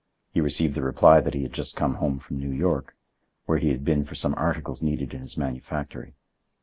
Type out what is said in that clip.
He received the reply that he had just come home from New York, where he had been for some articles needed in his manufactory.